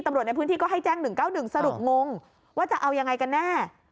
ตำรวจในพื้นที่ก็ให้แจ้ง๑๙๑สรุปงงว่าจะเอายังไงกันแน่